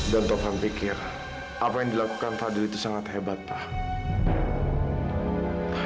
dan taufan pikir apa yang dilakukan fadil itu sangat hebat pak